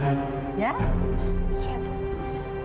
kamu per jalur selanjutnya akan berhasil